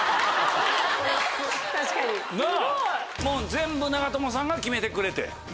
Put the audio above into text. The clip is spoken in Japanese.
全部長友さんが決めてくれて？